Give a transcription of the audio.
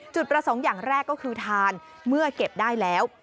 จุดประสงค์อย่างแรกก็คือทานเมื่อเก็บได้แล้ว